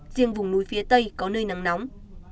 riêng vùng núi phía tây có nơi nắng nóng